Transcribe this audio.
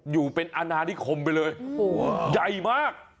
อยู่เป็นอนานิคมไปเลยโอ้โหใหญ่มาก